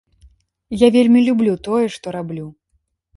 Я вельмі люблю тое, што раблю.